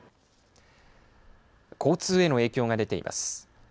交通への影響が出ています。